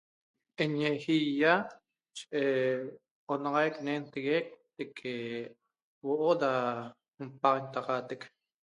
Eñe ihiaa' en enoxaiq nentexeq teque huoo da l'paxantaxateq